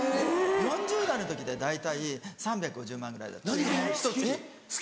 ４０代の時で大体３５０万ぐらいだったひと月。